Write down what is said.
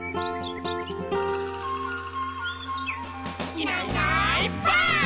「いないいないばあっ！」